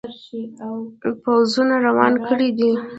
پوځونه روان کړي دي.